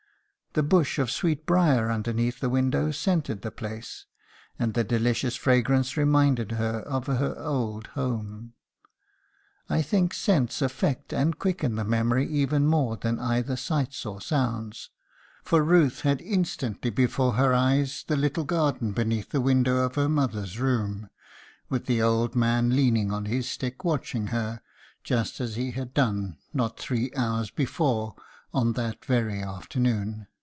The bush of sweetbriar underneath the window scented the place, and the delicious fragrance reminded her of her old home. I think scents affect and quicken the memory even more than either sights or sounds; for Ruth had instantly before her eyes the little garden beneath the window of her mother's room, with the old man leaning on his stick watching her, just as he had done not three hours before on that very afternoon."